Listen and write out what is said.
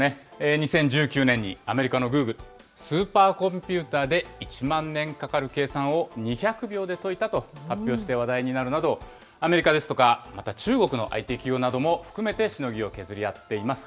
２０１９年にアメリカのグーグル、スーパーコンピューターで１万年かかる計算を２００秒で解いたと発表して話題になるなど、アメリカですとか、また中国のＩＴ企業なども含めてしのぎを削り合っています。